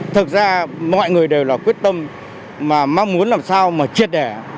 thật ra mọi người đều là quyết tâm mà mong muốn làm sao mà chia đẻ